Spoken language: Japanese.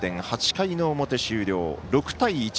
８回の表終了、６対１。